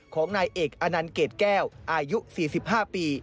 ของนายเอกอนันต์เกรดแก้วอายุ๔๕ปี